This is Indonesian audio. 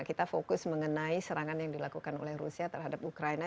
kita fokus mengenai serangan yang dilakukan oleh rusia terhadap ukraina